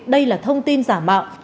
đây là thông tin giả mạo